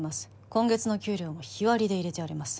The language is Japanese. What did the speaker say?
今月の給料も日割りで入れてあります